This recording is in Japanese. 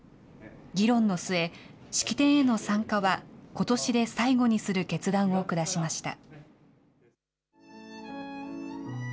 議論の末、式典への参加は、ことしで最後にする決断を下しました。